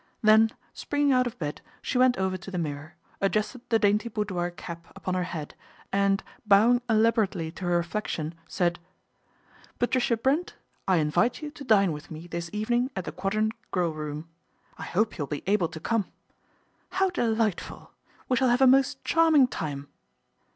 Then springing out of bed she went over to the mirror, adjusted the dainty boudoir cap upon her head and, bowing elaborately to her reflection, said, " Patricia Brent, I invite you to dine with me this evening at the Quadrant Grill room. 1 hope you'll be able to come. How delight ful. We shall have a most charming time."